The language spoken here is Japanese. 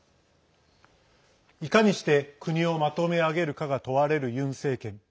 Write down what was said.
いかにして国をまとめ上げるかが問われるユン政権。